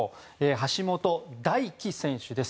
橋本大輝選手です。